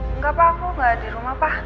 enggak pak aku nggak di rumah pak